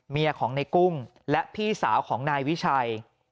เมียของในกุ้งและพี่สาวของนายวิชัย